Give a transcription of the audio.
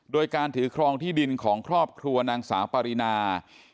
โดยการถือครองที่ดินของครอบครัวนางสาวปรินา